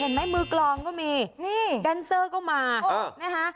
เห็นไหมมือกลองก็มีนี่แดนเซอร์ก็มานะคะ